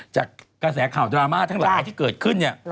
จากกระแสข่าวดราม่าทั้งหลายที่เกิดขึ้นเนี่ย